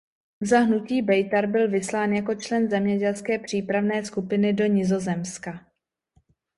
Za hnutí Bejtar byl vyslán jako člen zemědělské přípravné skupiny do Nizozemska.